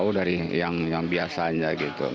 jauh dari yang biasanya